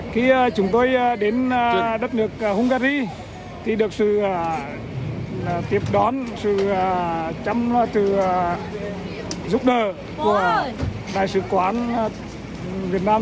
khi chúng tôi đến đất nước hungary thì được sự tiếp đón sự giúp đỡ của đại sứ quán việt nam